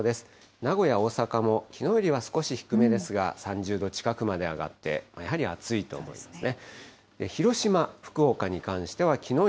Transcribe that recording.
名古屋、大阪もきのうよりは少し低めですが、３０度近くまで上がってやはり暑いと思いますね。